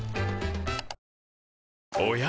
おや？